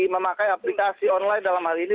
memakai aplikasi online dalam hal ini